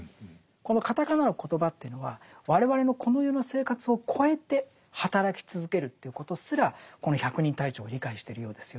このカタカナのコトバというのは我々のこの世の生活を超えて働き続けるということすらこの百人隊長は理解してるようですよね。